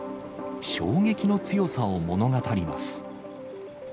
衝撃の強さを物語ります。